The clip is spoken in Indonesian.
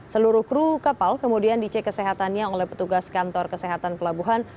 seluruh kru kapal kemudian dicek kesehatannya oleh petugas kantor kesehatan pelabuhan